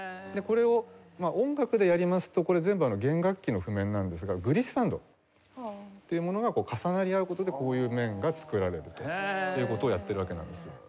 これを音楽でやりますとこれ全部弦楽器の譜面なんですがグリッサンドというものが重なり合う事でこういう譜面が作られるという事をやってるわけなんです。